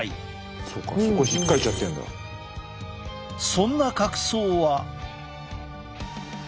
そんな角層は。